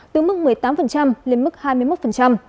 từ mức một mươi tám lên mức hai mươi một